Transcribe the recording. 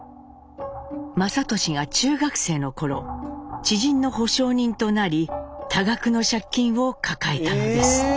雅俊が中学生の頃知人の保証人となり多額の借金を抱えたのです。